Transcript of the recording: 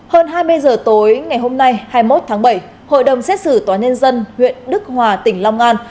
hơn hai mươi giờ tối ngày hôm nay hai mươi một tháng bảy hội đồng xét xử tòa nhân dân huyện đức hòa tỉnh long an